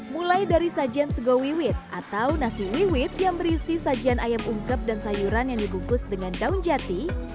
mulai dari sajian sego wiwit atau nasi wiwit yang berisi sajian ayam ungkep dan sayuran yang dibungkus dengan daun jati